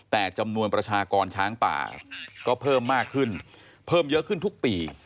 แต่จำนวนประชากรช้างป่าก็เพิ่มมากขึ้นเพิ่มเยอะขึ้นทุกปี